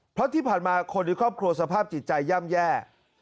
เพราะที่ผ่านมาคนในครอบครัวสภาพจิตใจย่ำแย่